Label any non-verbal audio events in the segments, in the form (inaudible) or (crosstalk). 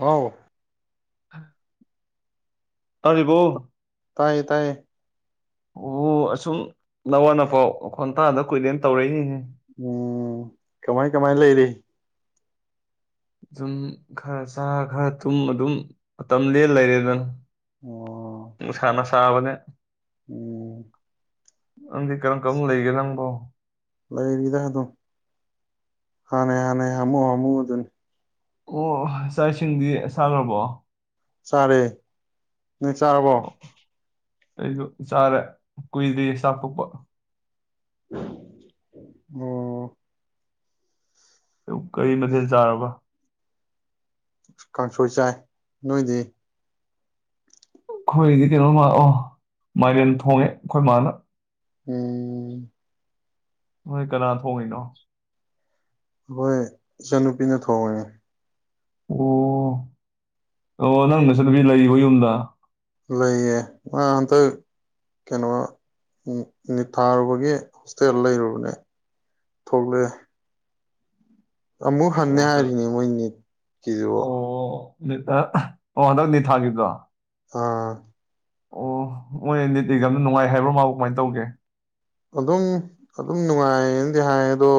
ꯍꯥꯎ ꯇꯥꯔꯤꯕꯣ ꯇꯥꯏꯌꯦ ꯇꯥꯏꯌꯦ ꯑꯣ ꯑꯁꯨꯝ ꯅꯋꯥ ꯅꯄꯥꯎ ꯅꯈꯣꯟ ꯇꯥꯗ ꯀꯨꯏꯔꯦꯅ ꯇꯧꯔꯛꯏꯅꯤꯅꯦꯍꯦ ꯎꯝ ꯀꯃꯥꯏ ꯀꯃꯥꯏ ꯂꯩꯔꯤ ꯑꯗꯨꯨꯝ ꯈꯔ ꯆꯥ ꯈꯔ ꯇꯨꯝ ꯑꯗꯨꯝ ꯃꯇꯝ ꯂꯦꯟ ꯂꯩꯔꯦꯗꯅ ꯑꯣ ꯅꯨꯡꯁꯥ ꯇꯥꯕꯅꯦ ꯎꯝ ꯈꯪꯗꯦ ꯀꯔꯝ ꯀꯔꯝꯅ ꯂꯩꯔꯤꯒꯦ ꯅꯪꯕꯣ ꯂꯩꯔꯤꯗ ꯑꯗꯨꯝ ꯍꯥꯟꯅꯩ ꯍꯥꯟꯅꯩ ꯍꯥꯃꯨ ꯍꯥꯃꯨ ꯍꯥꯏꯗꯨꯅꯤ ꯑꯣ ꯆꯥꯛ ꯏꯁꯤꯡꯗꯤ ꯆꯥꯔꯕꯣ ꯆꯔꯦ ꯅꯣꯏ ꯆꯥꯔꯕꯣ ꯑꯩꯁꯨ ꯆꯥꯔꯦ ꯀꯨꯏꯗ꯭ ꯔꯤ ꯆꯥꯛ ꯇꯣꯛꯄ ꯑꯣ ꯀꯔꯤ ꯃꯊꯦꯜ ꯆꯥꯔꯕ ꯀꯥꯡꯁꯣꯏ ꯆꯥꯏ ꯅꯣꯏꯗꯤ ꯑꯩꯈꯣꯏꯗꯤ ꯀꯩꯅꯣꯝꯃ ꯑꯣ ꯃꯥꯏꯔꯦꯟ ꯊꯣꯡꯉꯦ ꯑꯩꯈꯣꯏ ꯃꯥꯅ ꯎꯝ ꯍꯣꯏ ꯀꯅꯥ ꯊꯣꯡꯉꯤꯅꯣ ꯑꯩꯈꯣꯏ ꯏꯆꯟꯅꯨꯄꯤꯅ ꯊꯣꯡꯉꯦ꯫ ꯑꯣ ꯑꯣ ꯅꯪꯅꯆꯟꯅꯨꯄꯤ ꯂꯩꯔꯤꯕꯣ ꯌꯨꯝꯗ ꯂꯩꯌꯦ ꯃꯥ ꯍꯟꯇꯛ ꯀꯩꯅꯣ ꯅꯤꯠ ꯊꯥꯔꯨꯕꯒꯤ ꯍꯣꯁꯇꯦꯜꯗ ꯂꯩꯔꯨꯕꯅꯦ ꯊꯣꯛꯂꯛꯑꯦ ꯑꯃꯨꯛ ꯍꯟꯅꯤ ꯑꯣ ꯍꯥꯏꯔꯤꯁꯤꯅꯤ ꯃꯣꯏ ꯃꯤꯠ (unintelligible) (unintelligible) ꯍꯟꯗꯛ ꯅꯤꯠ ꯊꯥꯒꯤꯕꯗꯣ ꯑꯥ ꯑꯣ ꯃꯣꯏ ꯅꯤꯠ ꯑꯦꯀꯖꯥꯝꯗꯣꯅꯨꯡꯉꯥꯏ ꯍꯥꯏꯕ꯭ꯔꯣ ꯃꯥꯕꯨ ꯀꯃꯥꯏꯅ ꯇꯧꯒꯦ ꯑꯗꯨꯝ ꯑꯗꯨꯝ ꯅꯨꯡꯉꯥꯏꯌꯦꯅꯗꯤ ꯍꯥꯏ ꯑꯗꯣ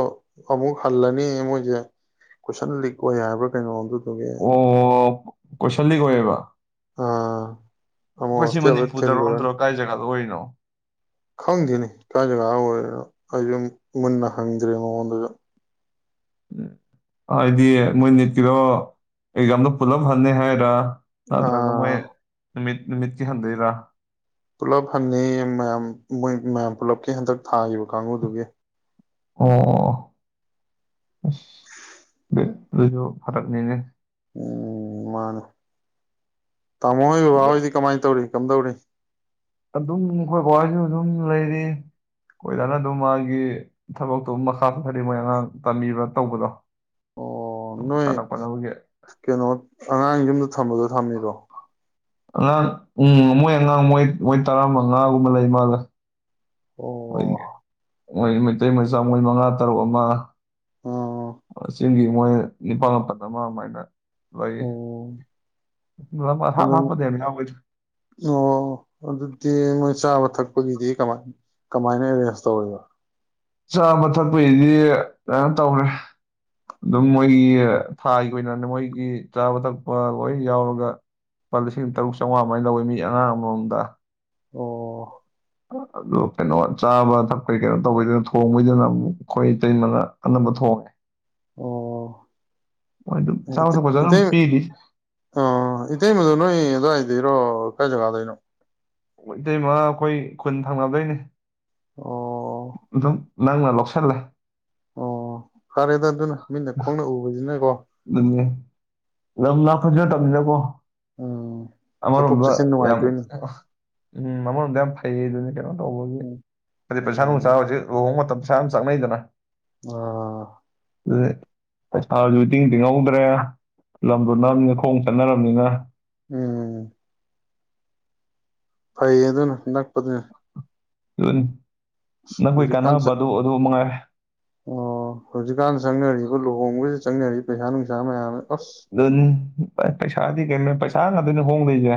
ꯑꯃꯨꯛ ꯍꯜꯂꯅꯤ ꯃꯣꯏꯁꯦ ꯀꯣꯏꯁꯟ ꯂꯤꯛ ꯑꯣꯏ ꯍꯥꯏꯕ꯭ꯔꯥ ꯀꯩꯅꯣꯝ ꯑꯗꯨꯒꯤ (inaudible) ꯑꯣ ꯀꯣꯏꯁꯟ ꯂꯤꯛ ꯑꯣꯏꯌꯦꯕ ꯑꯥ ꯑꯃꯨꯛ ꯑꯩꯈꯣꯏ ꯁꯤ ꯍꯣꯁꯇꯦꯜꯗ ꯃꯅꯤꯄꯨꯔꯗꯔꯣ ꯊꯤꯜꯂꯨꯔꯅꯤ ꯅꯇꯔꯥ ꯀꯥꯏ ꯌꯒꯗ (inaudible) ꯈꯪꯗꯦꯅꯦ ꯀꯥꯢ ꯖꯒꯥ ꯑꯣꯏꯔꯤꯅꯣ ꯑꯩꯁꯨ ꯃꯨꯟꯅ ꯍꯪꯗ꯭ꯔꯦ ꯃꯉꯣꯟꯗꯁꯨ ꯍꯥꯏꯗꯤ ꯃꯣꯏ ꯅꯤꯠꯀꯤꯔꯣ ꯑꯦꯛꯖꯥꯝꯗꯣ ꯄꯨꯂꯞ ꯍꯅꯤ ꯍꯥꯏꯔ ꯇꯥꯗ꯭ꯔꯒ ꯃꯣꯏ ꯑꯥ ꯅꯨꯃꯤꯠ ꯅꯨꯃꯤꯠꯀꯤ ꯍꯟꯗꯨꯏꯔꯥ ꯄꯨꯂꯞ ꯍꯟꯅꯤꯌꯦ ꯃꯌꯥꯝ ꯃꯣꯏ ꯃꯌꯥꯝ ꯄꯨꯜꯂꯞꯀꯤ ꯍꯟꯗꯛ ꯊꯥꯈꯤꯕ ꯀꯥꯡꯨꯗꯨꯒꯤ ꯑꯣ ꯑꯁ (inaudible) ꯑꯗꯨ ꯑꯗꯨꯁꯨ ꯐꯔꯛꯅꯤꯅꯦ ꯎꯝ ꯃꯥꯅꯦ ꯇꯥꯃꯣ ꯍꯣꯏ ꯕꯕꯥꯍꯣꯏꯗꯤ ꯀꯃꯥꯏ ꯇꯧꯔꯤ ꯀꯝꯗꯧꯔꯤ ꯑꯗꯨꯝ ꯈꯣꯏ ꯕꯥ ꯍꯣꯢꯁꯨ ꯑꯗꯨꯝ ꯂꯩꯔꯤ ꯑꯩꯈꯣꯏ ꯗꯥꯅꯥ ꯑꯗꯨꯝ ꯃꯥꯒꯤ ꯊꯕꯛꯇꯨ ꯃꯈꯥ ꯆꯠꯊꯔ꯭ꯤ ꯃꯣꯏ ꯑꯉꯥꯡ ꯇꯝꯕꯤꯕ꯭ꯔꯥ ꯇꯧꯕꯗꯣ ꯑꯣ ꯅꯣꯏ ꯁꯥꯟꯅ ꯈꯣꯠꯅꯕꯒꯤ ꯀꯩꯅꯣ ꯑꯉꯥꯡ ꯌꯨꯝꯗ ꯊꯝꯕꯗꯣ ꯊꯝꯃꯤꯔꯣ ꯑꯉꯥꯡ ꯎꯝ ꯃꯣꯏ ꯑꯉꯥꯡ ꯃꯣꯏ ꯃꯣꯏ ꯇꯔꯥꯃꯉꯥꯒꯨꯝꯕ ꯂꯩ ꯃꯥꯂꯦ ꯑꯣ ꯃꯣꯏ ꯃꯩꯇꯩ ꯃꯆꯥ ꯃꯣꯏ ꯃꯉꯥ ꯇꯔꯨꯛ ꯑꯃ ꯑꯥ ꯆꯤꯡꯒꯤ ꯃꯣꯏ ꯅꯤꯄꯥꯜ ꯃꯥꯄꯜ ꯑꯃ ꯑꯗꯨꯃꯥꯏꯅ ꯂꯩ ꯑꯣ ꯍꯥꯞ ꯑꯗꯨꯝ ꯍꯥꯞꯄꯗ ꯌꯥꯝ ꯌꯥꯎꯒꯤꯗ ꯑꯣ ꯑꯗꯨꯗꯤ ꯃꯣꯏ ꯆꯥꯕ ꯊꯛꯄꯒꯤꯗꯤ ꯀꯃꯥꯏꯅ ꯑꯦꯔꯦꯟꯖ ꯇꯧꯔꯤꯕ ꯆꯥꯕ ꯊꯛꯄꯒꯤꯗꯤ ꯃꯌꯥꯝꯇꯧꯔꯦ ꯑꯗꯨꯝ ꯃꯣꯏꯒꯤ ꯊꯥꯒꯤ ꯑꯣꯏꯅꯅꯦ ꯃꯣꯏꯒꯤ ꯆꯥꯕ ꯊꯛꯄ ꯂꯣꯏ ꯌꯥꯎꯔꯒ ꯂꯨꯄꯥ ꯂꯤꯁꯤꯡ ꯇꯔꯨꯛ ꯆꯥꯝꯃꯉꯥ ꯃꯃꯥꯏꯅ ꯂꯧꯋꯦ ꯃꯤ ꯑꯉꯥꯡ ꯑꯃꯃꯝꯗ ꯑꯣ ꯑꯗꯨ ꯀꯩꯅꯣ ꯆꯥꯕ ꯊꯛꯄꯩ ꯀꯩꯅꯣ ꯇꯧꯕꯩꯗꯅ ꯊꯣꯡꯕꯩꯗꯨꯅ ꯑꯃꯨꯛ ꯑꯩꯈꯣꯏꯇꯩ ꯃꯅ ꯑꯅꯝꯕ ꯊꯣꯡꯉꯦ ꯑꯣ ꯃꯣꯏꯗꯨ ꯆꯥꯕꯥ ꯊꯛꯞꯁꯨ ꯑꯗꯨꯝ ꯏꯇꯩ ꯄꯤꯔꯤ ꯑꯣ ꯏꯇꯩꯃꯗꯨ ꯅꯣꯏ ꯑꯗꯨꯋꯥꯏꯗꯏꯔꯣ ꯀꯥꯏ ꯖꯒꯥꯗꯩꯅꯣ ꯏꯇꯩꯃ ꯑꯩꯈꯣꯏ ꯈꯨꯟ ꯊꯪꯅꯕꯗꯩꯅꯤ ꯑꯣ ꯑꯗꯨ ꯅꯪꯅ ꯂꯧꯁꯥꯅꯂꯦ ꯑꯣ ꯐꯔꯦꯗ ꯑꯗꯨꯅ ꯃꯤꯠꯅ ꯈꯣꯡꯅ ꯎꯕꯅꯤꯅꯀꯣ ꯑꯗꯨꯅꯦ ꯂꯝ ꯂꯥꯞꯄꯁꯦ ꯆꯠꯇꯃꯤꯅ ꯀꯣ ꯎꯝ ꯆꯠꯊꯣꯛ ꯑꯃꯔꯣꯝꯗ ꯆꯠꯁꯤꯟ ꯌꯥꯝ ꯅꯨꯡꯉꯥꯏꯗꯣꯏꯅꯤ ꯎꯝ ꯑꯃꯔꯣꯝꯗ ꯌꯥꯝ ꯐꯩ ꯑꯗꯨꯗꯤ ꯀꯩꯅꯣ ꯇꯧꯕꯒꯤ ꯎꯝ ꯍꯥꯏꯗꯤ ꯄꯩꯁꯥ ꯅꯨꯡꯁꯥ ꯎꯝ ꯍꯧꯖꯤꯛ ꯂꯨꯍꯣꯡꯕ ꯃꯇꯝꯗ ꯌꯥꯝꯅ ꯆꯥꯛꯅꯩꯗꯅ ꯑꯥ (unintelligible) ꯏꯤꯡ ꯇꯤꯡꯍꯧꯗ꯭ꯔꯦ ꯂꯝꯗꯨꯣ ꯅꯝꯗ ꯈꯣꯡ ꯆꯠꯅꯔꯝꯅꯤꯅ ꯎꯝ ꯐꯩꯌꯦ ꯑꯗꯨꯅ ꯅꯛꯄꯗꯨꯅ (unintelligible) ꯑ ꯅꯈꯣꯏ ꯍꯧꯖꯤꯛꯀꯥꯟ ꯀꯥꯟꯅꯕ ꯆꯥꯗ ꯑꯗꯨ ꯑꯗꯨ ꯃꯉꯥꯏꯔꯦ ꯑꯣ ꯍꯧꯖꯤꯛꯀꯥꯟ ꯆꯪꯅꯔꯤꯕ ꯂꯨꯍꯣꯡꯕꯁꯤ ꯆꯪꯅꯔꯤ ꯄꯩꯁꯥ ꯅꯨꯡꯁꯥ ꯃꯌꯥꯝ ꯑꯃ ꯑꯗꯨ ꯄꯩꯁꯥꯗꯤ ꯀ ꯄꯩꯁꯥ (unintelligible) ꯍꯣꯡ ꯗꯣꯏ ꯁꯦ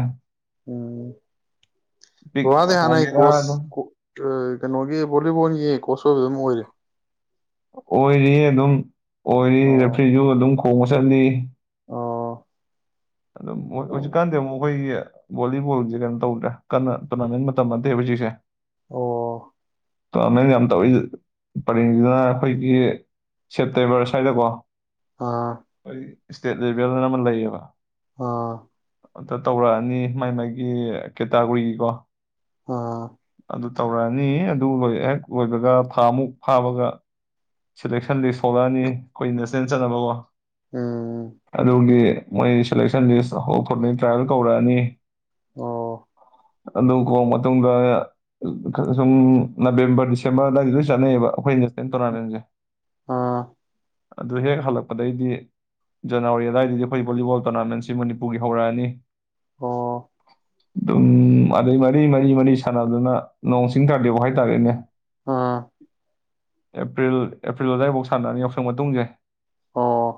ꯎꯝ ꯄꯤꯛꯅ ꯕꯕꯥꯗꯤ ꯍꯥꯟꯅ ꯑꯩ ꯍꯣꯡꯒꯦꯔꯥ ꯑꯗꯨꯝ ꯀꯣꯆ ꯀꯩꯅꯣꯒꯤ ꯚꯣꯂꯤꯕꯣꯜꯒꯤ ꯀꯣꯆ ꯑꯣꯏꯕ ꯑꯗꯨꯝ ꯑꯣꯏꯔꯤ? ꯑꯣꯏꯔꯤ ꯑꯗꯨꯝ ꯑꯣꯏꯔꯤ ꯑꯣ ꯔꯦꯐ꯭ꯔꯤꯁꯨ ꯑꯗꯨꯝ ꯀꯣꯡꯕ ꯁꯠꯅꯤ ꯑꯣ ꯑꯗꯨꯝ ꯑꯣꯏ ꯍꯧꯖꯤꯛꯀꯥꯟꯗꯤ ꯑꯃꯨꯛ ꯑꯩꯈꯣꯏꯒꯤ ꯚꯣꯂꯤꯕꯣꯜꯁꯦ ꯀꯩꯅꯣ ꯇꯧꯗ꯭ꯔꯦ ꯀꯟꯅ ꯇꯣꯔꯅꯥꯃꯦꯟ ꯃꯇꯝ ꯅꯠꯇꯦꯕ ꯍꯧꯖꯤꯛꯁꯦ ꯑꯣ ꯇꯣꯔꯅꯥꯃꯦꯟ ꯌꯥꯝ ꯇꯧꯏ ꯄꯔꯦꯡꯁꯤꯗꯅ ꯑꯩꯈꯣꯏꯒꯤ ꯁꯦꯞꯇꯦꯝꯕꯔ ꯁ꯭ꯋꯥꯏꯗꯀꯣ ꯑꯥ ꯏꯁꯇꯦꯠ ꯂꯦꯚꯦꯜꯅ ꯑꯃ ꯂꯩꯌꯦꯕ ꯑꯥ ꯑꯝꯇ ꯇꯧꯔꯛꯑꯅꯤ ꯃꯥꯏ ꯃꯥꯒꯤ ꯀꯦꯇꯥꯒꯣꯔꯤꯒꯤꯀꯣ ꯑꯥ ꯑꯗꯨ ꯇꯧꯔꯛꯑꯅꯤ ꯑꯗꯨ ꯍꯦꯛ ꯂꯣꯏꯕꯒ ꯊꯥꯃꯨꯛ ꯐꯥꯕꯒ ꯁꯤꯂꯦꯛꯁꯟ ꯂꯤꯁ ꯊꯣꯛꯂꯛꯑꯅꯤ ꯑꯩꯈꯣꯏ ꯅꯦꯁꯅꯦꯜ ꯆꯠꯅꯕꯀꯣ ꯎꯝ ꯑꯗꯨꯒꯤ ꯃꯣꯏ ꯁꯦꯂꯦꯛꯁꯟ ꯂꯤꯁꯇ꯭ ꯇ꯭ꯔꯥꯏꯜ ꯀꯧꯔꯛꯑꯅꯤ ꯑꯣ ꯑꯗꯨ ꯀꯣꯛ ꯃꯇꯨꯡꯗ ꯁꯨꯝ ꯅꯕꯦꯝꯕꯔ ꯗꯤꯁꯦꯝꯕꯔ ꯑꯗꯥꯏꯗ ꯂꯣꯏ ꯆꯠꯅꯩꯌꯦꯕ ꯑꯩꯈꯣꯏ ꯅꯦꯁꯅꯦꯜ ꯇꯣꯔꯅꯥꯃꯦꯟꯁꯦ ꯑꯥ ꯑꯗꯨ ꯍꯦꯛ ꯍꯟꯂꯛꯄꯩꯗꯗꯤ ꯖꯥꯅꯨꯋꯔꯤ ꯑꯗꯥꯏꯗꯩꯗꯤ ꯚꯣꯂꯤꯕꯣꯜ ꯇꯣꯔꯅꯃꯦꯟꯁꯤ ꯃꯅꯤꯄꯨꯔꯒꯤ ꯍꯧꯔꯛꯑꯥꯅꯤ ꯑꯣ ꯑꯗꯨꯝ ꯑꯗꯩ ꯃꯔꯤ ꯃꯔꯤ ꯃꯔꯤ ꯁꯥꯟꯅꯗꯨꯅ ꯅꯣꯡ ꯆꯤꯡ ꯇꯥꯔꯗꯤ ꯊꯦꯡꯗꯥꯗꯣꯏꯅꯦ ꯑꯥ (inaudible) ꯑꯦꯄ꯭ꯔꯤꯜ ꯑꯦꯄ꯭ꯔꯤꯜ ꯑꯗꯨꯋꯥꯏꯐꯥꯎ ꯁꯥꯟꯅꯔꯅꯤ ꯌꯥꯎꯁꯪ ꯃꯇꯨꯡꯁꯦ ꯑꯣ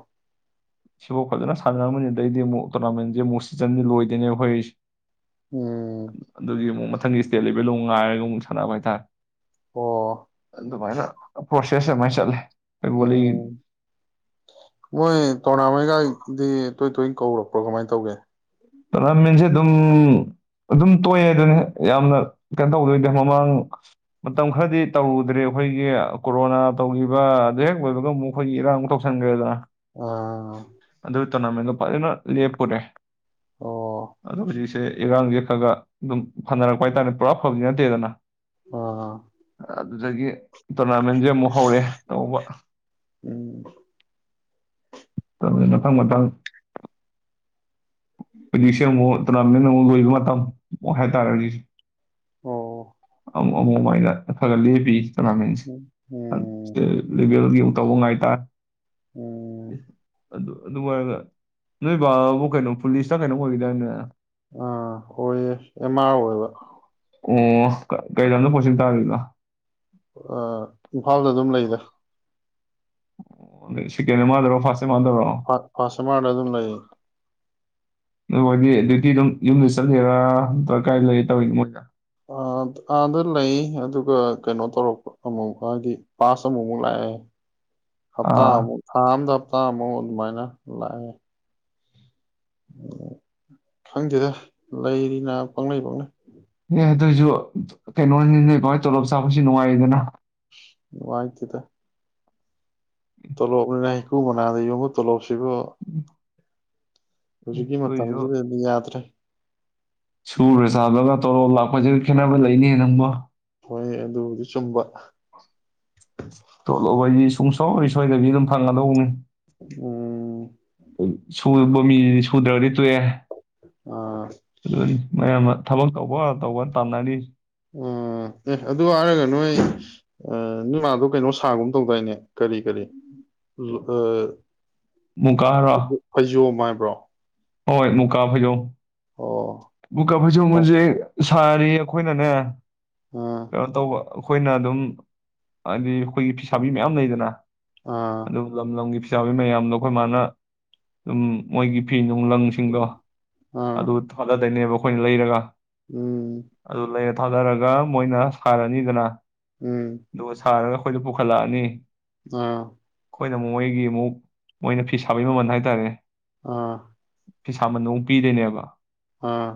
ꯁꯤꯐꯥꯎ ꯐꯖꯅ ꯁꯥꯟꯅꯔꯝꯒꯅꯤ ꯑꯗꯩꯗꯤ ꯑꯃꯨꯛ ꯇꯣꯔꯅꯥꯃꯦꯟꯁꯦ ꯑꯃꯨꯛ ꯁꯤꯖꯟꯅꯤ ꯂꯣꯏꯗꯣꯏꯅꯦ ꯑꯩꯈꯣꯏ ꯎꯝ ꯑꯗꯨꯒꯤ ꯃꯨꯛ ꯃꯊꯪꯒꯤ ꯏꯁꯇꯦꯠ ꯂꯦꯕꯦꯜꯗꯨ ꯉꯥꯏꯔꯒ ꯑꯃꯨꯛ ꯁꯥꯟꯅꯕ ꯍꯥꯏꯇꯥꯔꯦ ꯑꯣ ꯄꯣꯁꯦꯁ ꯃ ꯆꯠꯂꯦ ꯑꯩꯈꯣꯏ ꯚꯣꯂꯤ ꯎꯝ ꯃꯣꯏ ꯇꯣꯔꯅꯃꯦꯟꯅ ꯒꯥꯏꯗꯨꯗꯤ ꯇꯣꯏ ꯇꯣꯏꯅ ꯀꯧꯔꯛꯄ꯭ꯔꯣ ꯀꯃꯥꯏ ꯇꯧꯒꯦ ꯇꯣꯔꯅꯥꯃꯦꯟꯁꯦ ꯑꯗꯨꯝ ꯑꯗꯨꯝ ꯇꯣꯛꯑꯦ ꯑꯗꯨꯅꯤ ꯌꯥꯝꯅ ꯀꯩꯅꯣ ꯇꯧꯗꯣꯏꯗꯤ ꯃꯃꯥꯡ ꯃꯇꯝ ꯈꯔꯗꯤ ꯇꯧꯗ꯭ꯔꯦ ꯑꯩꯈꯣꯏꯒꯤ ꯀꯣꯔꯣꯅꯥ ꯇꯧꯈꯤꯕ ꯑꯗꯨ ꯍꯦꯛ ꯑꯣꯏꯕꯒ ꯑꯃꯨꯛ ꯑꯩꯈꯣꯏꯒꯤ ꯏꯔꯥꯡ ꯇꯧꯁꯟꯈ꯭ꯔꯦꯗꯅ ꯑꯥ ꯇꯣꯔꯅꯃꯦꯟꯗꯣ ꯐꯖꯅ ꯂꯦꯞꯄꯨꯔꯦ ꯑꯣ ꯑꯗꯣ ꯍꯧꯖꯤꯛꯁꯦ ꯏꯔꯥꯡꯁꯦ ꯈꯔ ꯈꯔ ꯑꯗꯨꯝ ꯐꯅꯔꯛꯄ ꯍꯥꯏꯇꯥꯔꯦ ꯄꯨꯔꯥ ꯐꯕꯗꯤ ꯅꯠꯇꯦꯗꯅ ꯑꯥ ꯑꯗꯨꯗꯒꯤ ꯇꯣꯔꯅꯥꯃꯦꯟꯁꯦ ꯑꯃꯨꯛ ꯍꯧꯔꯦ ꯇꯧꯕ ꯎꯝ ꯃꯊꯪ ꯃꯊꯪ ꯍꯨꯖꯤꯁꯦ ꯃꯨꯛ ꯇꯣꯔꯅꯥꯃꯦꯟ ꯑꯃꯨꯛ ꯂꯣꯏꯕ ꯃꯇꯝ ꯍꯥꯏꯇꯥꯔꯦ ꯑꯣ ꯑꯃꯨꯛ ꯑꯃꯨꯛꯃꯥꯏꯗ ꯈꯔꯒ ꯂꯦꯞꯄꯤ ꯇꯣꯔꯅꯃꯦꯟ ꯎꯝ ꯎꯝ ꯏ꯭ꯁꯇꯦꯠ ꯂꯦꯚꯦꯜꯒꯤ ꯇꯧꯕꯨꯡ ꯉꯥꯏꯇꯔꯦ ꯎꯝ ꯑꯨꯝ ꯑꯗꯨ ꯑꯗꯨ ꯍꯥꯏꯔꯒ ꯅꯣꯏꯕꯥꯕꯨ ꯀꯩꯅꯣ ꯄꯨꯂꯤꯁꯇ ꯀꯩꯅꯣ ꯑꯣꯏꯈꯤꯗꯥꯏꯅꯦ ꯑꯥ ꯍꯣꯏꯌꯦ ꯑꯦꯝ-ꯃꯥꯔ ꯑꯣꯏꯕ ꯑꯣ ꯀꯩꯂꯝꯗ ꯄꯣꯠꯁꯤꯟ ꯇꯥꯔꯤꯅꯣ ꯑꯥ ꯏꯝꯐꯥꯜꯗ ꯑꯗꯨꯝ ꯂꯩꯗ ꯑꯣ ꯁꯦꯀꯦꯟ ꯑꯦꯃꯥꯔ ꯗꯔꯣ ꯐꯥꯁ ꯑꯦꯝ ꯃ꯭ꯥꯔꯗ ꯑꯗꯨꯝ ꯂꯩ ꯃꯣꯏꯗꯤ ꯗ꯭ꯌꯨꯇꯤ ꯑꯗꯨꯝ ꯌꯨꯝꯗ ꯆꯠꯂꯤꯔꯥ ꯅꯠꯇ꯭ꯔ ꯀꯥꯏ ꯂꯩꯔ ꯇꯧꯋꯤꯅꯦ ꯃꯣꯏꯅ ꯑꯥꯗ ꯂꯩ ꯑꯗꯨꯒ ꯀꯩꯅꯣ ꯇꯧꯔꯛꯄ ꯑꯃꯨꯛ ꯍꯥꯏꯗꯤ ꯄꯥꯁ ꯑꯃꯨꯛꯃꯨꯛ ꯂꯥꯛꯑꯦ ꯍꯞ ꯇꯥ ꯑꯥ ꯑꯃꯨꯛ ꯊꯥ ꯑꯝꯗ ꯍꯞꯇꯥꯃꯨꯛ ꯑꯗꯨꯃꯥꯏꯅ ꯂꯥꯛꯑꯦ ꯈꯪꯗꯦꯗ ꯂꯩꯔꯤꯅ ꯄꯪꯂꯩ ꯄꯪꯂꯩꯩ ꯑꯗꯣꯏꯖꯨ ꯀꯩꯅꯣꯅꯤ ꯅꯣꯏꯗꯨꯃꯥꯏ ꯇꯣꯂꯣꯞ ꯆꯥꯕꯁꯦ ꯅꯨꯡꯉꯥꯏꯌꯦꯗꯅ ꯅꯨꯉꯥꯏꯇꯦꯗ ꯇꯣꯂꯣꯞꯅꯦꯅ ꯍꯩꯀꯨ ꯃꯅꯥꯗ ꯌꯣꯝꯕ ꯇꯂꯣꯞ ꯁꯤ ꯁꯤꯕꯨ ꯍꯧꯖꯤꯛꯀꯤ ꯑꯗꯨꯏꯁꯨ ꯃꯇꯝꯁꯤꯗꯗꯤ ꯌꯥꯗ꯭ꯔꯦ ꯁꯨꯔ ꯆꯥꯕꯖꯤꯒ ꯇꯣꯂꯣꯞ ꯂꯥꯛꯄꯁꯤꯒ ꯈꯦꯠꯅꯕ ꯂꯩꯅꯦ ꯅꯪꯕꯣ ꯍꯣꯏ ꯑꯗꯨꯕꯨꯗꯤ ꯆꯨꯝꯕ ꯇꯣꯂꯣꯞ ꯍꯥꯏꯗꯤ ꯁꯨꯡꯁꯣꯏ ꯁꯣꯏꯗꯕꯤ ꯑꯗꯨꯝ ꯐꯪꯉꯗꯧꯕꯅꯤ ꯎꯝ ꯁꯨꯕ ꯃꯤꯖꯤꯗꯤ ꯁꯨꯗ꯭ꯔꯒꯗꯤ ꯇꯣꯛꯑꯦ ꯑꯥ ꯑꯗꯨꯅꯤ ꯃꯌꯥꯝꯑꯃ ꯊꯕꯛ ꯇꯧꯕ ꯇꯧꯕ ꯇꯝꯅꯔꯤꯁꯤ ꯎꯝ ꯑꯦ ꯑꯗꯨ ꯍꯥꯏꯔꯒ ꯅꯣꯏ ꯃꯥꯗꯣ ꯀꯩꯅꯣ ꯁꯥꯒꯨꯝ ꯇꯧꯗꯥꯏꯅꯦ ꯀꯔꯤ ꯀꯔꯤ ꯑ ꯃꯨꯀꯥ ꯍꯥꯏꯔꯣ ꯐꯩꯖꯣꯝ ꯍꯥꯏ ꯕ꯭ꯔꯣ ꯍꯣꯏ ꯃꯨꯀꯥ ꯐꯩꯖꯣꯝ ꯑꯣ ꯃꯨꯀꯥ ꯐꯩꯖꯣꯝ ꯁꯥꯔꯤ ꯑꯩꯈꯣꯏꯅꯅꯦ ꯑꯥ ꯀꯩꯅꯣ ꯇꯧꯕ ꯑꯩꯈꯣꯏꯅ ꯑꯗꯨꯝ ꯍꯥꯏꯗꯤ ꯑꯩꯈꯣꯏꯒꯤ ꯐꯤꯁꯥꯕꯤ ꯃꯌꯥꯝ ꯂꯩꯗꯅ ꯑꯥ ꯑꯗꯨ ꯂꯝ ꯂꯝꯒꯤ ꯐꯤꯁꯥꯕꯤ ꯃꯌꯥꯝꯗꯣ ꯑꯈꯣꯏ ꯃꯥꯅ ꯑꯗꯨꯝ ꯃꯣꯏꯒꯤ ꯐꯤꯅꯨꯡ ꯂꯪꯁꯤꯡꯗꯣ ꯑꯥ ꯑꯗꯨ ꯊꯥꯗꯗꯩꯅꯦꯕ ꯑꯩꯈꯣꯏꯅ ꯂꯩꯔꯒ ꯎꯝ ꯑꯗꯨ ꯂꯩꯔ ꯊꯥꯗꯔꯒ ꯃꯣꯏꯅ ꯁꯥꯔꯅꯤꯗꯅ ꯎꯝ ꯗꯨꯒ ꯁꯥꯔꯒ ꯑꯩꯈꯣꯏꯗ ꯄꯨꯈꯠꯂꯛꯑꯅꯤ ꯑꯥ ꯑꯩꯈꯣꯏꯅ ꯑꯃꯨꯛ ꯃꯣꯏꯒꯤ ꯑꯃꯨꯛ ꯃꯣꯏꯅ ꯐꯤ ꯁꯥꯕꯩ ꯃꯃꯜ ꯍꯥꯏꯇꯥꯔꯦ ꯑꯥ ꯐꯤꯁꯥ ꯃꯟ ꯑꯃꯨꯛ ꯄꯤꯗꯣꯏꯅꯦꯕ ꯑꯥ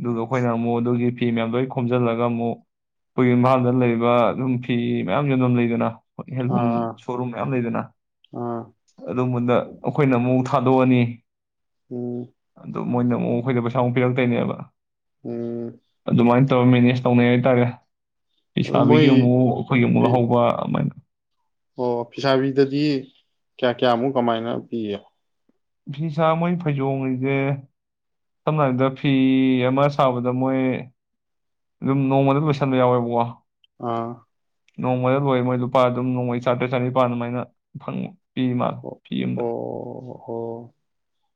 ꯑꯗꯨꯒ ꯑꯈꯣꯏꯅ ꯑꯃꯨꯛ ꯑꯗꯨꯒꯤ ꯐꯤ ꯃꯌꯥꯝ ꯂꯣꯏ ꯈꯣꯝꯖꯤꯜꯂꯒ ꯑꯃꯨꯛ ꯑꯩꯈꯣꯏꯒꯤ ꯏꯝꯐꯥꯜꯗ ꯂꯩꯕ ꯑꯗꯨꯝ ꯐꯤ ꯃꯌꯥꯝ ꯌꯣꯟꯕꯝ ꯂꯩꯗꯅ ꯈꯣꯏ ꯍꯦꯟꯂꯨꯝ ꯑꯥ ꯁꯣꯔꯨꯝ ꯃꯌꯥꯝ ꯂꯩꯗꯅ ꯑꯥ ꯑꯗꯨꯝꯕꯣꯟꯗ ꯑꯩꯈꯣꯏꯅ ꯑꯃꯨ ꯊꯥꯗꯣꯛꯑꯅꯤ ꯎꯝ ꯑꯗꯣ ꯃꯣꯏꯅ ꯑꯃꯨꯛ ꯑꯩꯈꯣꯏꯗ ꯄꯩꯁꯥ ꯑꯃꯨꯛ ꯄꯤꯔꯛꯇꯣꯏꯅꯦꯕ ꯎꯝ ꯇꯧ ꯃꯦꯅꯦꯁ ꯇꯧꯅꯩ ꯍꯥꯏꯇꯥꯔꯦ ꯑꯗꯨ ꯃꯣꯏ ꯂꯩꯁꯥꯕꯤꯒꯤ ꯃꯨꯛ ꯑꯩꯈꯣꯏꯒꯤꯃꯨꯛ ꯐꯤ ꯂꯧꯍꯧꯕ ꯑꯃꯥꯏꯅ ꯑꯣ ꯐꯤꯁꯥꯕꯤꯗꯗꯤ ꯀꯌꯥ ꯀꯌꯥꯃꯨꯛ ꯀꯃꯥꯏꯅ ꯄꯤꯌ ꯐꯤꯁ ꯃꯣꯏ ꯐꯩꯖꯣꯉꯁꯦ ꯁꯝꯅ ꯍꯥꯏꯔꯕꯗ ꯐꯤ ꯑꯃ ꯁꯥꯕꯗ ꯃꯣꯏ ꯑꯗꯨꯝ ꯅꯣꯡꯃꯗ ꯂꯣꯏꯁꯟꯕ ꯌꯥꯎꯋꯦꯕꯀꯣ ꯑꯥ ꯅꯣꯡꯃꯗ ꯂꯣꯏꯔꯦ ꯃꯣꯏ ꯂꯨꯄꯥ ꯑꯗꯨꯝ ꯅꯣꯡꯃꯩ ꯆꯥꯇ꯭ꯔꯦꯠ ꯆꯥꯅꯤꯄꯥꯟ ꯑꯗꯨꯃꯥꯏꯅ ꯐꯪꯏ ꯑꯣ ꯑꯣ ꯑꯣ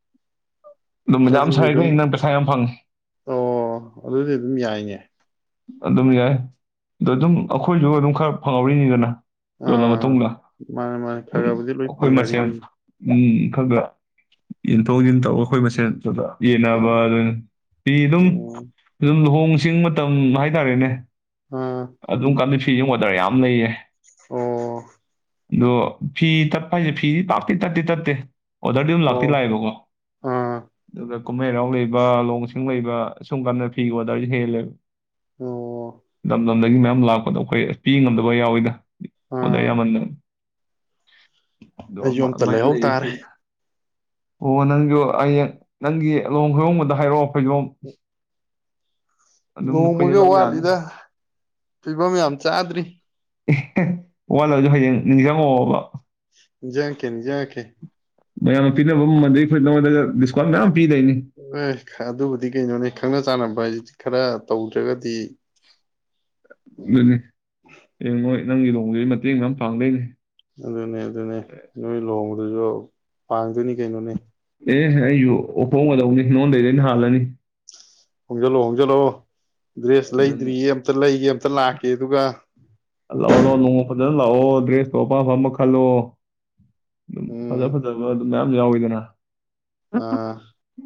ꯑꯗꯨꯝ ꯌꯥꯝ ꯑꯗꯨꯗꯤ ꯑꯗꯨꯝ ꯁꯥꯏꯈꯩ ꯅꯪ ꯄꯩꯁꯥ ꯌꯥꯝ ꯐꯪꯉꯤ ꯑꯣ ꯑꯗꯨꯗꯤ ꯑꯗꯨꯝ ꯌꯥꯏꯅꯦ ꯑꯗꯨꯝ ꯌꯥꯏ ꯑꯗ ꯗꯨꯝ ꯑꯩꯈꯣꯏꯖꯨ ꯑꯗꯨꯝ ꯈꯔ ꯐꯪꯍꯧꯔꯤꯅꯤꯗꯅ ꯌꯣꯜꯂ ꯑꯥ ꯃꯇꯨꯡꯗ ꯃꯥꯅꯦ ꯃꯥꯅꯦ ꯈꯔ ꯑꯗꯨꯝ ꯈꯔꯕꯨꯗꯤ ꯂꯣꯏ ꯑꯩꯈꯣꯏ ꯃꯁꯦꯟ ꯐꯪꯅꯔꯤꯅꯤ ꯎ ꯈꯪꯒ ꯌꯦꯟꯊꯣꯛ ꯌꯦꯟꯁꯤꯟ ꯇꯧꯔꯒ ꯑꯩꯈꯣꯏ ꯃꯁꯦꯟ ꯈꯒ ꯑꯣ ꯌꯦꯟꯅꯕꯥꯗꯨꯅꯤ ꯐꯤ ꯗꯨꯝ ꯑꯗꯨꯝ ꯂꯨꯍꯣꯡ ꯆꯤꯡꯃꯠ ꯇꯝ ꯍꯥꯏꯇꯥꯔꯦꯅꯦ ꯑꯥ ꯑꯗꯨꯝ ꯀꯥꯟ ꯐꯤꯖ ꯑꯣꯗꯔ ꯌꯥꯝ ꯂꯩꯌꯦ ꯑꯣ ꯑꯗꯣ ꯐꯤ ꯇꯠꯄ ꯍꯥꯏꯖꯦ ꯐꯤꯗꯤ ꯄꯥꯛꯇꯤ ꯇꯠꯇꯤ ꯇꯠꯇꯦ ꯑꯣꯗꯔꯗꯤ ꯑꯗꯨꯝ ꯂꯥꯛꯇꯤ ꯑꯣ ꯂꯥꯛꯑꯦꯕꯀꯣ ꯑꯥ ꯑꯗꯨꯒ ꯀꯨꯝꯍꯩ ꯍꯔꯥꯎ ꯂꯩꯕ (inaudible) ꯂꯩꯕ ꯁꯨꯝ ꯀꯥꯟꯗ ꯐꯤꯒꯤ ꯑꯣꯗꯔꯖꯦ ꯍꯦꯜꯂꯦꯕ ꯑꯣ ꯂꯝꯗꯝꯗꯒꯤ ꯃꯌꯥꯝ ꯂꯥꯛꯄꯗꯣ ꯑꯩꯈꯣꯏ ꯄꯤ ꯉꯝꯗꯕ ꯌꯥꯎꯋꯤꯗ ꯃꯗ ꯑꯥ ꯌꯥꯝꯃꯟꯗꯅ (inaudible) ꯗꯣ ꯑꯩꯁꯨ ꯑꯃ ꯑꯝꯇ ꯑꯃꯥꯏꯅ ꯂꯩꯍꯧ ꯂꯩꯌꯦ ꯐꯤ ꯇꯥꯔꯦ ꯑꯣ ꯅꯪꯖꯨ ꯍꯌꯦꯡ ꯅꯪꯒꯤ ꯂꯨꯍꯣꯡ ꯈꯣꯏꯍꯣꯡꯕꯗ ꯍꯥꯏꯔꯛꯑꯣ ꯐꯩꯖꯣꯝ ꯑꯗꯨꯝ ꯑꯩꯈꯣꯏꯗꯩ ꯂꯨꯑꯣꯡꯕꯒ ꯂꯧ ꯌꯥꯅꯤ ꯋꯥꯠꯂꯤꯗ ꯐꯤꯕꯝ ꯌꯥꯝ ꯆꯥꯗ꯭ꯔꯤ (unintelligible) ꯋꯥꯠꯂꯖꯨ ꯍꯌꯦꯡ ꯅꯤꯡꯖꯪꯉꯑꯣꯕ ꯅꯤꯡꯖꯪꯉꯛꯀꯦ ꯅꯤꯡꯖꯪꯉꯛꯀꯦ ꯃꯌꯥꯝꯅ ꯄꯤꯅꯕ ꯃꯃꯟꯗꯩꯩ ꯑꯩꯈꯣꯏ ꯅꯉꯣꯟꯗ ꯗꯤꯁꯀꯥꯎꯟ ꯃꯌꯥꯝ ꯄꯤꯗꯣꯏꯅꯤ ꯑꯦ ꯑꯗꯨꯕꯨꯗꯤ ꯀꯩꯅꯣꯅꯤ ꯈꯪꯅ ꯆꯥꯟꯅꯕ ꯍꯥꯏꯁꯤꯗꯤ ꯈꯔꯥ ꯇꯧꯗ꯭ꯔꯒꯗꯤ ꯑꯗꯨꯅꯤ ꯌꯦꯝꯎꯍꯣꯏ ꯅꯪꯒꯤ ꯂꯨꯍꯣꯡꯕꯗꯨꯗꯤ ꯃꯇꯦꯡ ꯃꯌꯥꯝ ꯄꯥꯡꯗꯣꯏꯅꯦ ꯑꯗꯨꯅꯦ ꯑꯗꯨꯅꯦ ꯅꯣꯏ ꯂꯨꯍꯣꯡꯕ ꯑꯗꯨꯁꯨ ꯄꯥꯡꯗꯣꯏꯅꯤ ꯀꯩꯅꯣꯅꯦ ꯑꯦ ꯍꯦ ꯑꯩꯁꯨ (unintelligible) ꯂꯨꯍꯣꯡꯅꯤ ꯅꯡꯉꯣꯟꯗꯩꯗꯤ ꯑꯩꯅ ꯍꯥꯟꯂꯅꯤ ꯍꯣꯡꯖꯤꯜꯂꯣ ꯍꯣꯡꯖꯤꯜꯂꯣ ꯗ꯭ꯔꯦꯁ ꯑꯗꯨꯅ ꯂꯩꯗ꯭ꯔꯤꯌꯦ ꯑꯝꯇ ꯂꯩꯒꯦ ꯑꯃꯝꯇ ꯂꯥꯛꯀꯦ ꯑꯗꯨꯒ ꯂꯥꯛꯑꯣ ꯂꯥꯛꯑꯣ ꯅꯣꯡꯃ ꯐꯖꯅ ꯅꯪ ꯂꯥꯛꯑꯣ ꯇꯣ ꯑꯄꯥꯝ ꯑꯄꯥꯝꯕ ꯈꯜꯂꯣ ꯎꯝ ꯐꯖ ꯐꯖꯕ ꯑꯗꯨꯃꯥꯏ ꯌꯥꯎ ꯋꯤꯗꯅ ꯑꯥ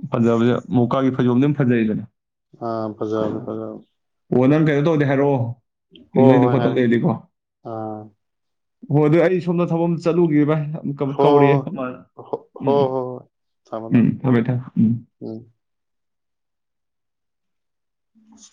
ꯐꯖꯕꯁꯦ (unintelligible) ꯐꯩꯖꯣꯝꯗꯤ ꯑꯗꯨꯝ ꯐꯖꯩꯗꯅ ꯑꯥ ꯐꯖꯕꯅꯤ ꯐꯖꯕꯅꯤ ꯑꯣ ꯅꯪ ꯀꯩꯅꯣ ꯇꯧꯔꯗꯤ ꯍꯥꯏꯔꯛꯑꯣ ꯍꯣꯏ ꯂꯩꯗꯧ ꯍꯣꯏ ꯈꯣꯠꯇꯧ ꯍꯥꯏꯔꯛ ꯂꯩꯔꯗꯤꯀꯣ ꯑꯥ ꯍꯣꯏ ꯑꯗꯨ ꯑꯩ ꯁꯣꯝꯗ ꯊꯕꯛ ꯑꯃ ꯆꯠꯂꯨꯈꯤꯒꯦ ꯚꯥꯏ ꯍꯣꯏ ꯀꯥꯎꯔꯤꯑꯦ ꯈꯣꯏ ꯃꯥꯅ ꯍꯣꯏ ꯍꯣꯏ ꯍꯣꯏ ꯍꯣꯏ ꯍꯣꯏ ꯊꯝꯃꯣ ꯊꯝꯃꯣ ꯎꯝ ꯊꯝꯃꯦ ꯊꯝꯃꯦ ꯎꯝ ꯎꯝ